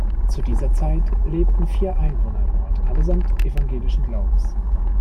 Zu dieser Zeit lebten vier Einwohner im Ort, allesamt evangelischen Glaubens.